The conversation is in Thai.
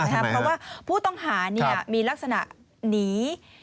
เพราะว่าผู้ต้องหามีลักษณะหนี